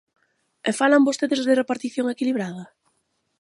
E ¿falan vostedes de repartición equilibrada?